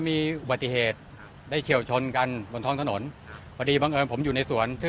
แล้วผมเดี๋ยวโนกอย่างที่ลงไปครับ